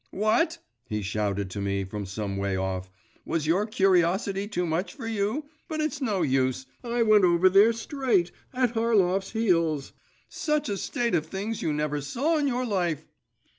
'What!' he shouted to me from some way off, 'was your curiosity too much for you? But it's no use.… I went over there, straight, at Harlov's heels.… Such a state of things you never saw in your life!